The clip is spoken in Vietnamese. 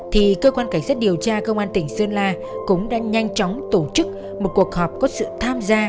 thì cơ quan cảnh sát điều tra công an tỉnh sơn la cũng đã nhanh chóng tổ chức một cuộc họp có sự tham gia